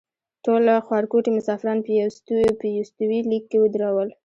ټول خوارکوټي مسافران په یوستوي لیک کې ودرول.